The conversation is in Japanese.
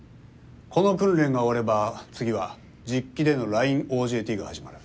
この訓練が終われば次は実機でのラインＯＪＴが始まる。